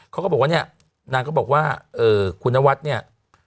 เขาก็บอกว่าเนี่ยนางก็บอกว่าคุณนวัดเนี่ย